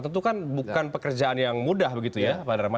tentu kan bukan pekerjaan yang mudah begitu ya pak dharma